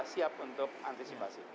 siap untuk antisipasi